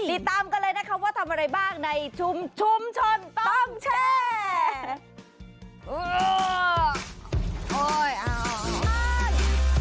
ติดตามกันเลยนะคะว่าทำอะไรบ้างในชุมชุมชนต้องแชร์